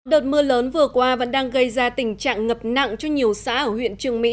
đợt mưa lớn vừa qua vẫn đang gây ra tình trạng ngập nặng cho nhiều xã ở huyện trường mỹ